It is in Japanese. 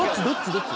どっち？